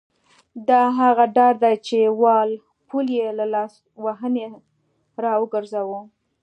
دا هغه ډار دی چې وال پول یې له لاسوهنې را وګرځاوه.